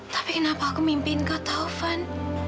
tapi kenapa aku mimpiin kak taufan